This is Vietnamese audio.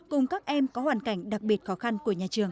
cùng các em có hoàn cảnh đặc biệt khó khăn của nhà trường